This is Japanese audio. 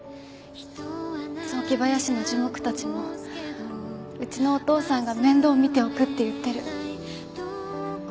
雑木林の樹木たちもうちのお父さんが面倒見ておくって言ってる。